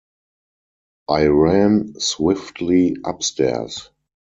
I ran swiftly upstairs.